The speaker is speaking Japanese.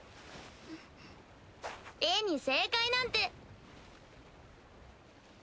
絵に正解なんて。